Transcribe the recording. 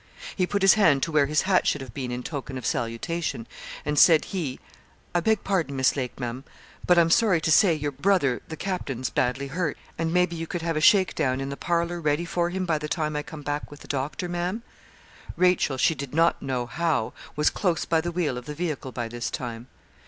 He put his hand to where his hat should have been in token of salutation, and said he 'I beg pardon, Miss Lake, Ma'am, but I'm sorry to say your brother the captain's badly hurt, and maybe you could have a shakedown in the parlour ready for him by the time I come back with the doctor, Ma'am?' Rachel, she did not know how, was close by the wheel of the vehicle by this time.